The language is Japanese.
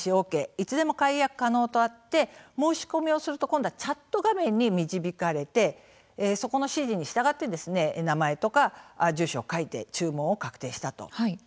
いつでも解約可能とあって申し込むと今度はチャット画面に導かれてそこの指示に従って名前とか住所を書いて注文確定したと。